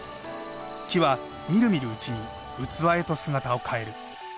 木はみるみるうちに器へと姿を変える。